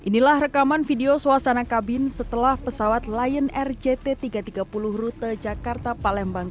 inilah rekaman video suasana kabin setelah pesawat lion air jt tiga ratus tiga puluh rute jakarta palembang